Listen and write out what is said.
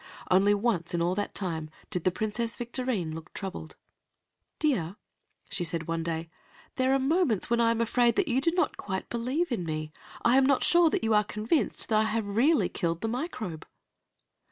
Only once in all that time did Princess Victorine looked troubled. "Dear," she said one day, "there are moments when I am afraid that you do not quite believe in me. I am not sure that you are convinced that I have really killed the Microbe."